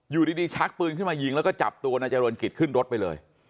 อยู่ดีชักปืนขึ้นมายิงแล้วก็จับตัวนายเจริญกิจขึ้นรถไปเลย